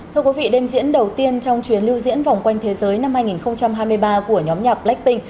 thưa quý vị đêm diễn đầu tiên trong chuyến lưu diễn vòng quanh thế giới năm hai nghìn hai mươi ba của nhóm nhạc blackpink